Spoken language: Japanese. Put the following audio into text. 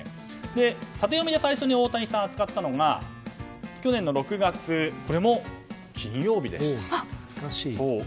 タテヨミで大谷さんを最初に扱ったのが去年の６月、これも金曜日でした。